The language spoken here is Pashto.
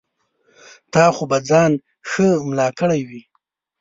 تا خو به ځان ښه ملا کړی وي.